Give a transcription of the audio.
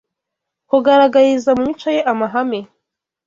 kugaragariza mu mico ye amahame